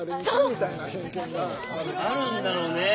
あるんだろうね。